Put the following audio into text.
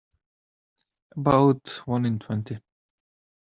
About one in twenty.